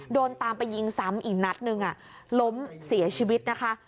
โดนตามไปยิงซ้ำอีกนัดนึงล้มเสียชีวิตนะคะ